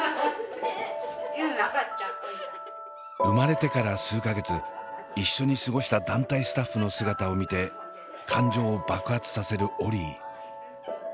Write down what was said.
生まれてから数か月一緒に過ごした団体スタッフの姿を見て感情を爆発させるオリィ。